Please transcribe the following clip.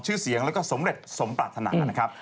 ชื่อเสียงแล้วก็สำเร็จสมปรารถนานะครับ